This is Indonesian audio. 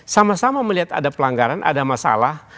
sama sama melihat ada pelanggaran ada masalah